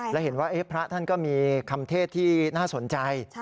และเห็นว่าพระท่านก็มีคำเทศที่น่าสนใจ